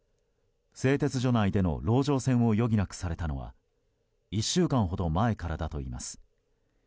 製鉄所内での籠城戦を余儀なくされたのは１週間ほど前からだといいます。